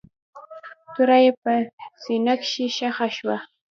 توره يې په سينه کښې ښخه شوه.